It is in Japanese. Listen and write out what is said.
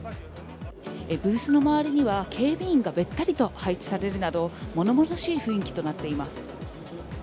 ブースの周りには、警備員がべったりと配置されるなど、ものものしい雰囲気となっています。